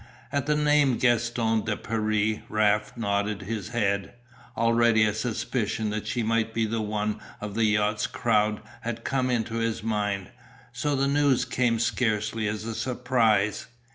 At the name Gaston de Paris Raft nodded his head. Already a suspicion that she might be one of the yacht's crowd had come into his mind, so the news came scarcely as a surprise.